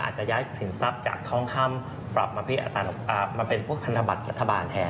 จะย้ายสินทรัพย์จากท้องคำปรับมาเป็นพวกธนบัตรรัฐบาลแทน